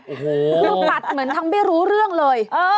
โอ้โหปัดเหมือนทำไม่รู้เรื่องเลย